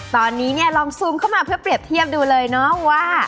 ตอนนี้เนี่ยลองซูมเข้ามาเพื่อเปรียบเทียบดูเลยเนาะว่า